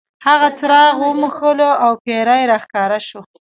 هغه څراغ وموښلو او پیری را ښکاره شو.